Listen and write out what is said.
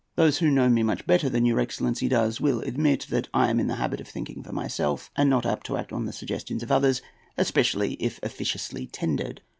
Those who know me much better than your excellency does, will admit that I am in the habit of thinking for myself, and not apt to act on the suggestions of others, especially if officiously tendered.